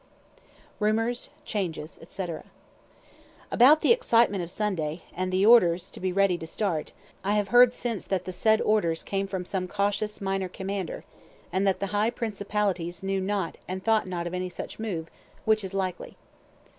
RUMORS, CHANGES, ETC. About the excitement of Sunday, and the orders to be ready to start, I have heard since that the said orders came from some cautious minor commander, and that the high principalities knew not and thought not of any such move; which is likely.